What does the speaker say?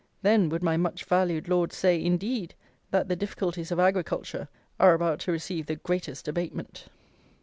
Then would my much valued Lord say, indeed, that the 'difficulties' of agriculture are about to receive the 'greatest abatement!'"